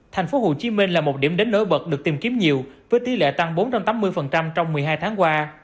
thành phố hồ chí minh là một điểm đến nổi bật được tìm kiếm nhiều với tỷ lệ tăng bốn trăm tám mươi trong một mươi hai tháng qua